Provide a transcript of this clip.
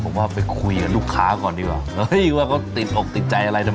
ผมว่าไปคุยกับลูกค้าก่อนดีกว่าเฮ้ยว่าเขาติดอกติดใจอะไรนะ